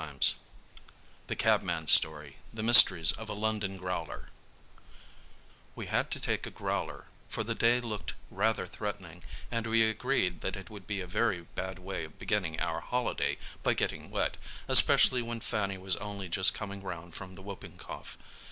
Cypser THE CABMAN'S STORY The Mysteries of a London "Growler" We had to take a "growler," for the day looked rather threatening and we agreed that it would be a very bad way of beginning our holiday by getting wet, especially when Fanny was only just coming round from the whooping cough.